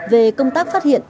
về công tác phát triển